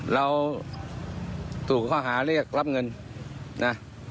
เราถูกข้อหาเรียกรับเงินนะ